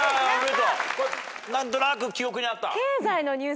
何となく記憶にあった？